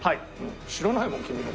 知らないもん君の事。